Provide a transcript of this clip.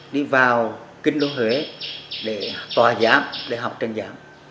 đi vào kinh đô huệ để tòa giảm để học trần giảm